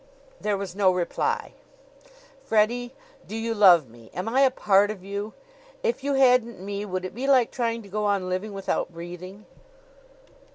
There was no reply. "Freddie, do you love me? Am I a part of you? If you hadn't me would it be like trying to go on living without breathing?"